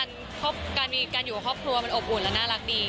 การอยู่กับครอบครัวมันอบอุ่นและน่ารักดี